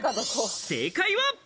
正解は。